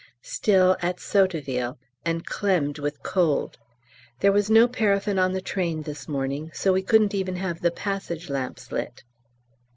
_ Still at Sotteville, and clemmed with cold. There was no paraffin on the train this morning, so we couldn't even have the passage lamps lit.